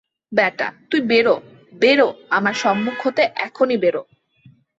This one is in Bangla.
বেটা, তুই বেরো, বেরো, আমার সম্মুখ হইতে এখনই বেরো।